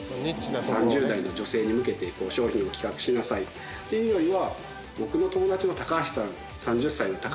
３０代の女性に向けて商品を企画しなさいっていうよりは。